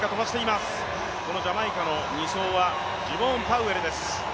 ジャマイカの２走はジェボーン・パウエルです。